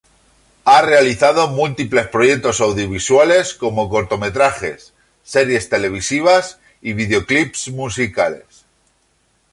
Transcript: Ha realizado múltiples proyectos audiovisuales como cortometrajes, series televisivas y videoclips musicales.